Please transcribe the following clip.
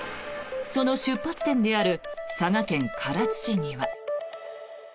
その出発点である佐賀県唐津市には。